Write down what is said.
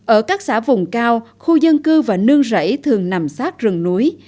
ở các xã vùng cao khu dân cư và nương rẫy thường nằm sát rừng núi